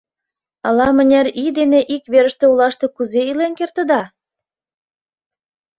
— Ала-мыняр ий дене ик верыште олаште кузе илен кертыда?